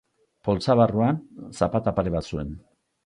Poltsa barruan zapata pare bat zuen.